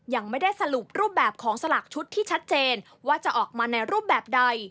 ยังไม่ได้สรุปรูปแบบของสลากชุดที่ชัดเจนว่าจะออกมาในรูปแบบใด